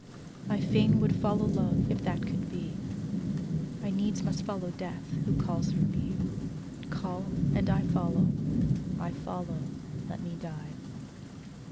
"I fain would follow love, if that could be; I needs must follow death, who calls for me; Call and I follow, I follow'! let me die!"